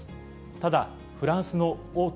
ただフランスの大手